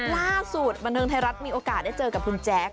ล่าสุดบันเทิงไทยรัฐมีโอกาสได้เจอกับคุณแจ๊ค